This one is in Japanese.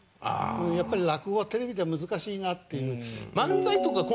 やっぱり落語はテレビじゃ難しいなっていう。